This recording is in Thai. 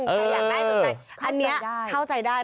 ใครอยากได้สนใจอันนี้เข้าใจได้